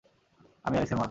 আমি অ্যালেক্সের মা।